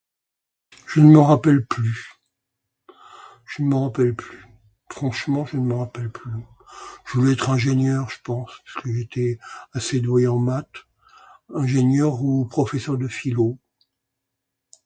Je ne me rappelle plus. Je ne me rappelle plus. Franchement, je ne me rappelle plus. Je voulais être ingénieur je pense parce que j'étais assez doué en maths. Ingénieur ou professeur de philo